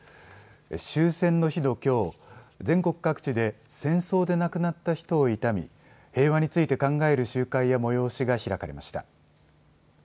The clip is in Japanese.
終戦の日のきょう全国各地で戦争で亡くなった人を悼み平和について考える集会や催しが開かれました。